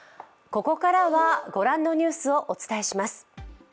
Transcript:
ここからは御覧のニュースをお伝えします。